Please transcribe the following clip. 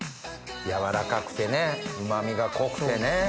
柔らかくてねうま味が濃くてね。